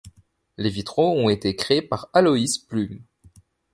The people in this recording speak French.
Les vitraux ont été créés par Alois Plum.